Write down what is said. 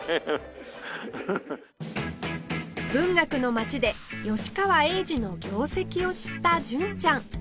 文学の街で吉川英治の業績を知った純ちゃん